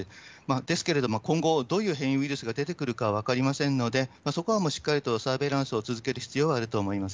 ですけれども、今後、どういう変異ウイルスが出てくるかは分かりませんので、そこはしっかりとサーベイランスを続ける必要はあると思います。